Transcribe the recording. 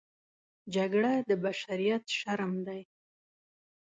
جګړه د بشریت شرم دی